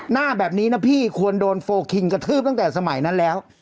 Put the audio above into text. หน้าแบบนี้นะพี่ควรโดนโฟลคิงกระทืบตั้งแต่สมัยนั้นแล้ว